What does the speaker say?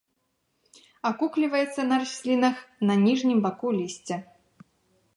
Акукліваецца на раслінах на ніжнім баку лісця.